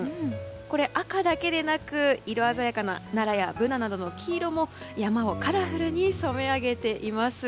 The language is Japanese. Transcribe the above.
これ、赤だけでなく色鮮やかなナラやブナなどの黄色も山をカラフルに染め上げています。